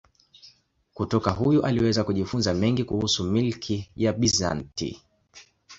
Kutoka huyu aliweza kujifunza mengi kuhusu milki ya Bizanti.